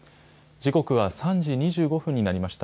時刻は３時２５分になりました。